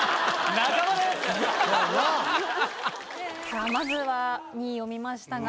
さあまずは２位を見ましたが。